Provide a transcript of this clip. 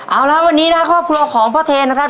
เอาละวันนี้นะครับครอบครัวของพ่อเทนนะครับ